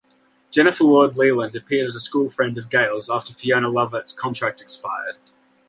Jennifer Ward-Lealand appeared as a school friend of Gayle's after Fiona Lovatt's contract expired.